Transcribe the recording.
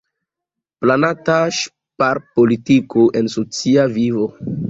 Planata ŝparpolitiko en socia vivo.